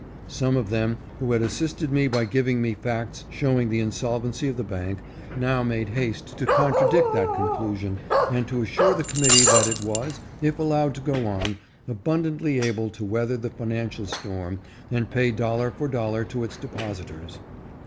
Some of them who had assisted me by giving me facts showing the insolvency of the bank, now made haste to contradict that conclusion and to assure the committee that it was, if allowed to go on, abundantly able to weather the financial storm and pay dollar for dollar to its depositors.